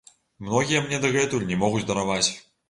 Многія мне дагэтуль не могуць дараваць!